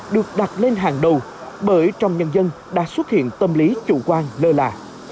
được đặt lên hàng đầu bởi trong nhân dân đã xuất hiện tâm lý chủ quan lơ là